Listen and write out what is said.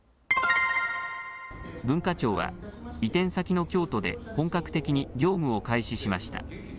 文化庁は移転先の京都で本格的に業務を開始しました。